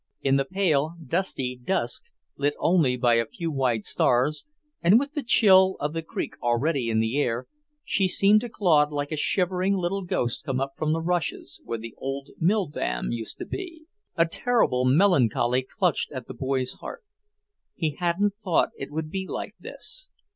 In the pale, dusty dusk, lit only by a few white stars, and with the chill of the creek already in the air, she seemed to Claude like a shivering little ghost come up from the rushes where the old mill dam used to be. A terrible melancholy clutched at the boy's heart. He hadn't thought it would be like this.